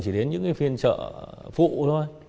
chỉ đến những phiên chợ phụ thôi